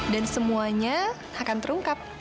dan semuanya akan terungkap